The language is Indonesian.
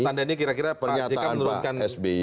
jadi menurut anda ini kira kira pak jk menurunkan tensi itu ya